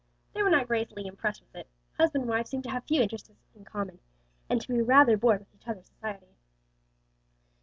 They were not greatly impressed with it; husband and wife seemed to have few interests in common, and to be rather bored with each other's society.